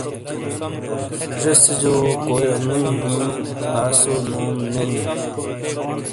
ڙیسیا کا انگویی ہی آسیو نوم نیئو۔